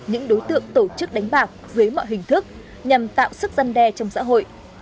những đối tượng tổ chức đánh bạc dưới mọi hình thức nhằm tạo sức dân đe trong xã hội